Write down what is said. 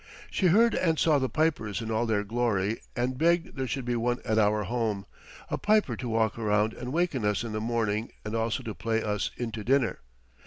She heard and saw the pipers in all their glory and begged there should be one at our home a piper to walk around and waken us in the morning and also to play us in to dinner.